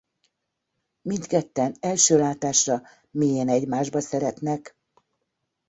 Mindketten első látásra mélyen egymásba szeretnek.